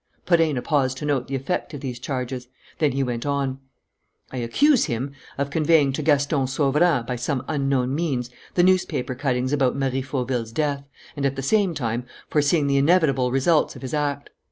Perenna paused to note the effect of these charges. Then he went on: "I accuse him of conveying to Gaston Sauverand, by some unknown means, the newspaper cuttings about Marie Fauville's death and, at the same time, foreseeing the inevitable results of his act.